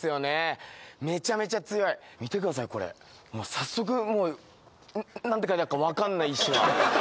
早速もう何て書いてあっか分かんない石が。